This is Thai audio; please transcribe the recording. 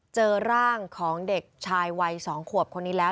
เจอร่างของเด็กชายวัย๒ขวบคนนี้แล้ว